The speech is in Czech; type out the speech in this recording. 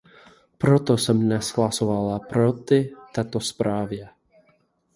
Proto jsem dnes hlasovala proti této zprávě.